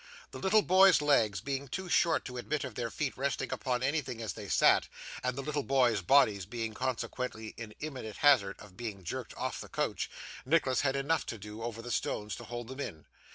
The little boys' legs being too short to admit of their feet resting upon anything as they sat, and the little boys' bodies being consequently in imminent hazard of being jerked off the coach, Nicholas had enough to do over the stones to hold them on.